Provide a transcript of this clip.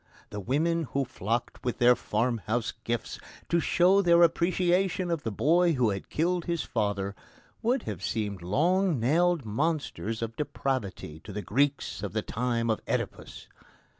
The women who flocked with their farmhouse gifts to show their appreciation of the boy who had killed his father would have seemed long nailed monsters of depravity to the Greeks of the time of Oedipus.